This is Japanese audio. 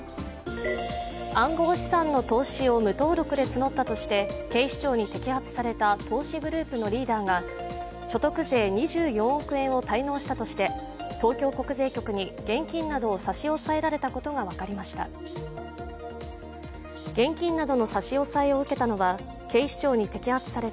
暗号資産の投資を無登録で募ったとして警視庁に摘発された投資グループのリーダーが所得税２４億円を滞納したとして東京国税局に現金などを差し押さえられたことが分かりました。